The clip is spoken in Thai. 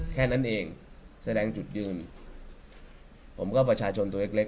แค่นั้นเองแสดงจุดยืนผมก็ประชาชนตัวเล็กเล็ก